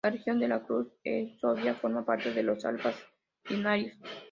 La región de la cual Herzegovina forma parte de los alpes dináricos.